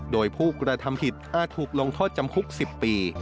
โดยผู้กระทำผิดอาจถูกลงโทษจำคุก๑๐ปี